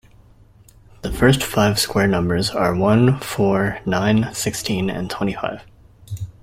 The first five square numbers are one, four, nine, sixteen and twenty-five